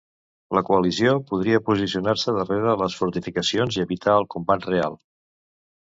La coalició podria posicionar-se darrere de les fortificacions i evitar el combat real.